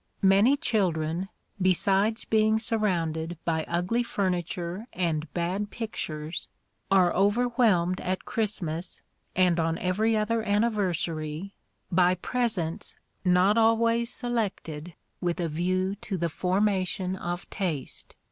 Many children, besides being surrounded by ugly furniture and bad pictures, are overwhelmed at Christmas, and on every other anniversary, by presents not always selected with a view to the formation of taste.